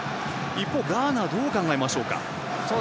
一方、ガーナはどう考えましょうか。